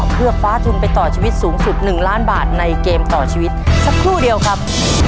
เพื่อคว้าทุนไปต่อชีวิตสูงสุด๑ล้านบาทในเกมต่อชีวิตสักครู่เดียวครับ